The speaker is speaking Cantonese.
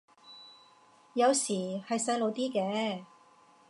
有時係細路啲嘅